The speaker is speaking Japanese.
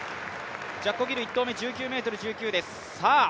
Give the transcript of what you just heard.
ジャッコ・ギル１投目、１９ｍ１９です。